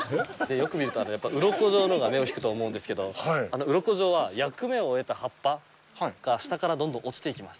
よく見ると、うろこ状のが目を引くと思うんですけど、あのうろこ状は、役目を終えた葉っぱが下からどんどん落ちていきます。